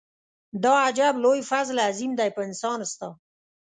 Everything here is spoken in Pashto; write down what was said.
دا عجب لوی فضل عظيم دی په انسان ستا.